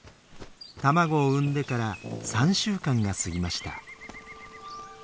卵を産んでから３週間が過ぎました。